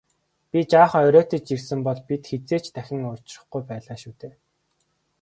Би жаахан оройтож ирсэн бол бид хэзээ ч дахин учрахгүй байлаа шүү дээ.